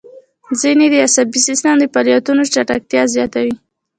ځینې یې د عصبي سیستم د فعالیتونو چټکتیا زیاتوي.